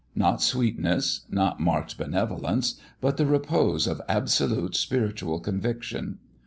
Not sweetness, not marked benevolence, but the repose of absolute spiritual conviction.